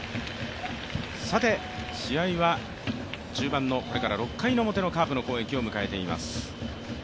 試合は中盤のこれから６回表のカープの攻撃を迎えています。